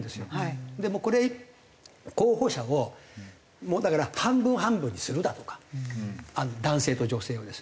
これ候補者をもうだから半分半分にするだとか男性と女性をですね。